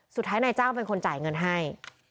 สุดท้ายนายจ้างเป็นคนจ่ายเงินให้